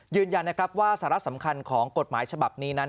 ยืนยันนะครับว่าสาระสำคัญของกฎหมายฉบับนี้นั้น